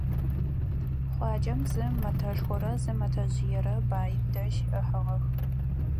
Хъуаджэм зы мэтэшхорэ зы мэтэжъыерэ баим дэжь ыхьыгъэх.